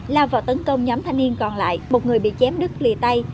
lao vào tấn công nhóm thanh niên còn lại một người bị chém đứt lì tay